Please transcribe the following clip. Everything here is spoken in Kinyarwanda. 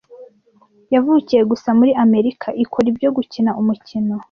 yavukiye gusa muri Amerika ikora ibyo gukina umukino